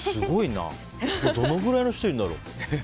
どのぐらいの人いるんだろう。